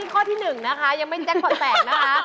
นี่ข้อที่หนึ่งนะคะยังไม่แจกควันแตกนะคะ